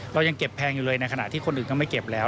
เรายังเก็บแพงอยู่เลยในขณะที่คนอื่นก็ไม่เก็บแล้ว